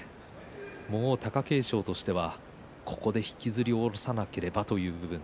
貴景勝としては、ここで引きずり下ろさなければという。